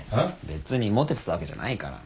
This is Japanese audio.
別にモテてたわけじゃないから。